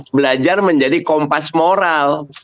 belajar menjadi kompas moral